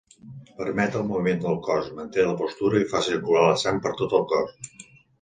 Permet el moviment del cos, manté la postura i fa circular la sang per tot el cos.